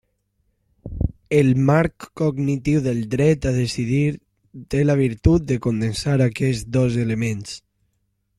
El marc cognitiu del dret a decidir té la virtut de condensar aquests dos elements.